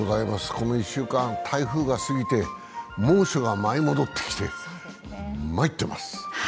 この１週間、台風が過ぎて猛暑が舞い戻ってきてまいっています。